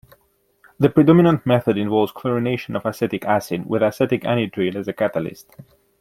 The predominant method involves chlorination of acetic acid, with acetic anhydride as a catalyst.